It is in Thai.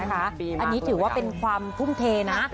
อันนี้ถือว่าเป็นความทุ่มเทนะ